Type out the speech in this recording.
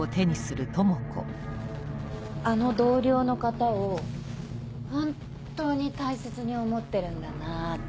あの同僚の方を本当に大切に思ってるんだなぁって。